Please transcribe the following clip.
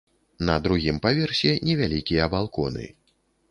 На другім паверсе невялікія балконы.